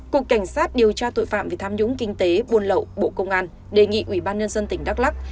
cục cảnh sát điều tra tội phạm về tham nhũng kinh tế buôn lậu bộ công an đề nghị ủy ban nhân dân tỉnh đắk lắc